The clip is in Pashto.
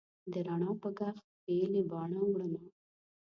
د رڼا په ږغ پیلې باڼه وړمه